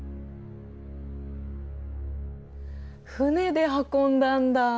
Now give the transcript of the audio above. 船で運んだんだ。